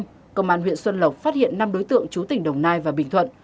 hôm nay công an huyện xuân lộc phát hiện năm đối tượng chú tỉnh đồng nai và bình thuận